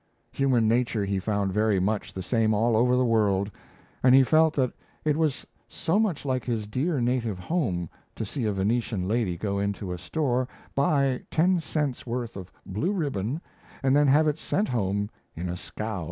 Human nature he found very much the same all over the world; and he felt that it was so much like his dear native home to see a Venetian lady go into a store, buy ten cents' worth of blue ribbon, and then have it sent home in a scow.